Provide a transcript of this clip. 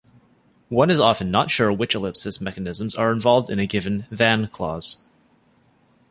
One is often not sure which ellipsis mechanisms are involved in a given "than"-clause.